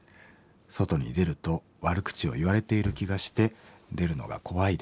外に出ると悪口を言われている気がして出るのが怖いです。